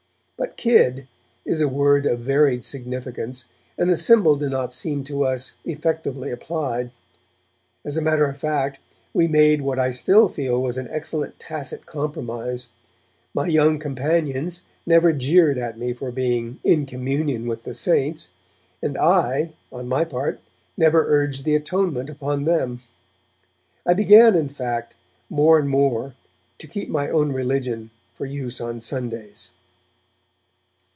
But 'kid' is a word of varied significance and the symbol did not seem to us effectively applied. As a matter of fact, we made what I still feel was an excellent tacit compromise. My young companions never jeered at me for being 'in communion with the saints', and I, on my part, never urged the Atonement upon them. I began, in fact, more and more to keep my own religion for use on Sundays.